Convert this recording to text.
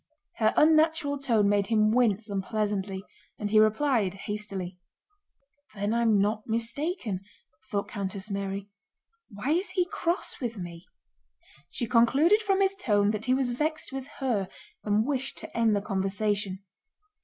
Her unnatural tone made him wince unpleasantly and he replied hastily. "Then I'm not mistaken," thought Countess Mary. "Why is he cross with me?" She concluded from his tone that he was vexed with her and wished to end the conversation.